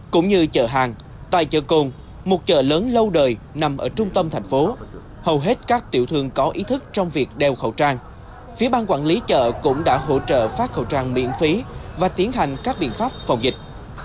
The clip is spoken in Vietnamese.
cũng như chợ hàng tại chợ cồn một chợ lớn lâu đời nằm ở trung tâm thành phố hầu hết các tiểu thương có ý thức trong việc đeo khẩu trang phía bang quản lý chợ cũng đã hỗ trợ phát khẩu trang miễn phí và tiến hành các biện pháp phòng dịch